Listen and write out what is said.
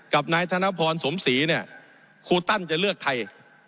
กับนายธนพรสมศรีเนี่ยครูตั้นจะเลือกใคร